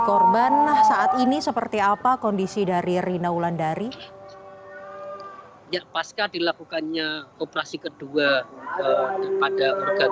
korban saat ini seperti apa kondisi dari rina wulandari paska dilakukannya operasi kedua pada organ